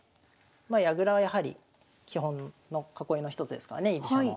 まあ矢倉はやはり基本の囲いの一つですからね居飛車の。